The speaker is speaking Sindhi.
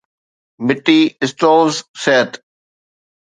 مٽي stoves صحت